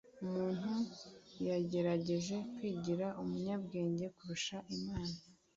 umuntu yagerageje kwigira umunyabwenge kurusha imana